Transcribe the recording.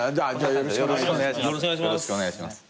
よろしくお願いします。